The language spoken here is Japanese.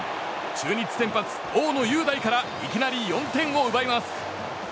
中日先発、大野雄大からいきなり４点を奪います。